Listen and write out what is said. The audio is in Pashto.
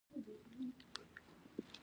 اته پنځوسم سوال د بست په اړه دی.